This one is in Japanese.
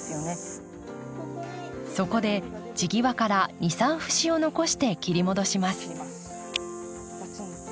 そこで地際から２３節を残して切り戻します。